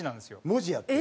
文字やって。